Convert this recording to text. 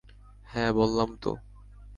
হ্যাঁ বললাম তো।